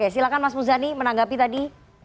silahkan mas muzani menanggapi tadi